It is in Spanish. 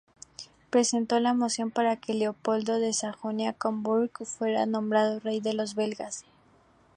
Presentó la moción para que Leopoldo de Sajonia-Coburgo fuera nombrado Rey de los Belgas.